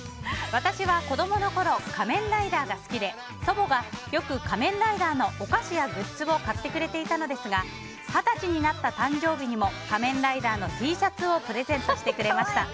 私は子供のころ「仮面ライダー」が好きで祖母がよく「仮面ライダー」のお菓子やグッズを買ってくれていたのですが二十歳になった誕生日にも「仮面ライダー」のＴシャツをプレゼントしてくれました。